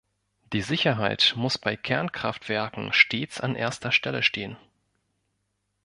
Die Sicherheit muss bei Kernkraftwerken stets an erster Stelle stehen.